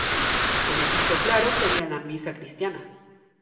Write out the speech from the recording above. Un ejemplo claro sería la Misa cristiana.